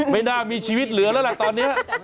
ไม่น่ามีชีวิตเหลือแล้วล่ะตอนนี้